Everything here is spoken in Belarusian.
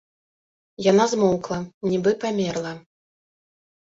Яна змоўкла, нібы памерла.